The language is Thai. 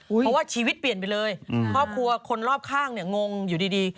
เพราะว่าชีวิตเปลี่ยนไปเลยครอบครัวคนรอบข้างเนี่ยงงอยู่ดี